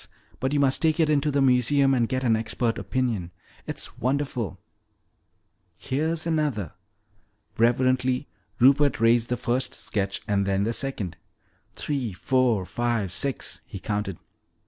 But you must take it in to the museum and get an expert opinion. It's wonderful!" "Here's another." Reverently Rupert raised the first sketch and then the second. "Three, four, five, six," he counted.